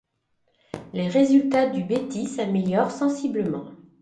Les résultats du Betis s'améliorent sensiblement.